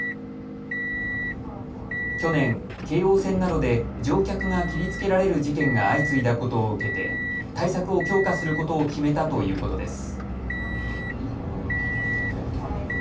去年、京王線などで乗客が切りつけられる事件が相次いだことを受けて対策を強化することを決めたということです。